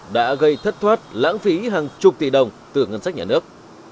đã gây thất thoát lãng phí hàng chục tỷ đồng từ ngân sách nhà nước